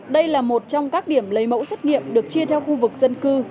đây là một trong các điểm lấy mẫu xét nghiệm được chia theo khu vực dân cư